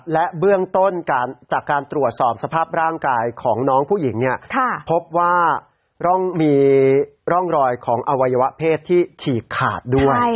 และเบื้องต้นจากการตรวจสอบสภาพร่างกายของน้องผู้หญิงเนี่ยพบว่ามีร่องรอยของอวัยวะเพศที่ฉีกขาดด้วย